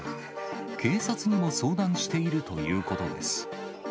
警察にも相談しているということです。